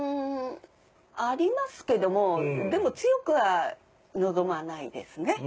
うん。ありますけどもでも強くは望まないですね。